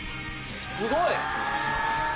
すごい。